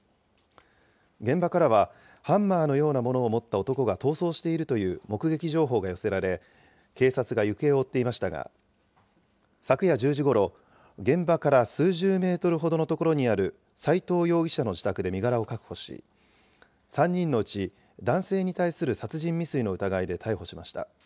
現場からは、ハンマーのようなものを持った男が逃走しているという目撃情報が寄せられ、警察が行方を追っていましたが、昨夜１０時ごろ、現場から数十メートルほどの所にある斎藤容疑者の自宅で身柄を確保し、３人のうち男性に対する殺人未遂の疑いで逮捕しました。